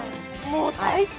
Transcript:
もう最高！